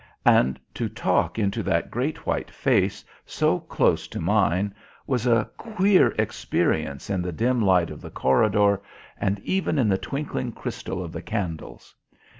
And to talk into that great white face, so close to mine, was a queer experience in the dim light of the corridor, and even in the twinkling crystal of the candles.